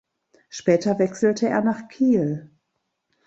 Später wechselte er nach Kiel.